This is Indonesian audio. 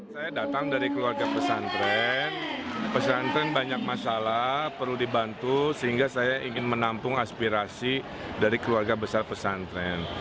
saya datang dari keluarga pesantren pesantren banyak masalah perlu dibantu sehingga saya ingin menampung aspirasi dari keluarga besar pesantren